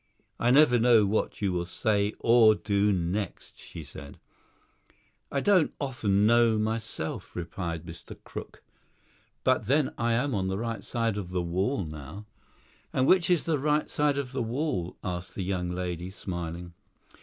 "I never know what you will say or do next," she said. "I don't often know myself," replied Mr. Crook; "but then I am on the right side of the wall now." "And which is the right side of the wall?" asked the young lady, smiling.